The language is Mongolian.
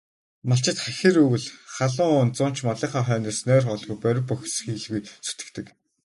Малчид хахир өвөл, халуун зун ч малынхаа хойноос нойр, хоолгүй борви бохисхийлгүй зүтгэдэг.